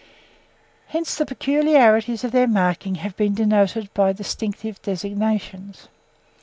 Hence the peculiarities of their markings have been denoted by distinctive designations.